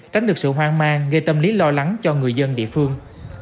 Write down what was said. tránh được sự hoang mang gây tâm lý lo lắng cho người dân địa phương